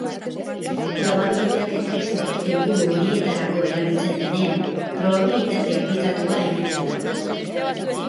Probabilitate tresnak helburu horietarako erabiltzen denean, probabilitate aplikatua egiten da.